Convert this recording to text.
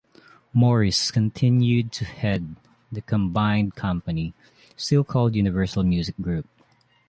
Morris continued to head the combined company, still called Universal Music Group.